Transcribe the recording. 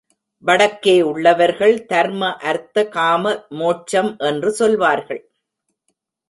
வடக்கே உள்ளவர்கள் தர்ம அர்த்த காம மோட்சம் என்று சொல்வார்கள்.